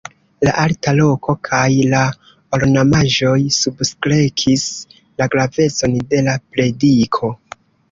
La alta loko kaj la ornamaĵoj substrekis la gravecon de la prediko.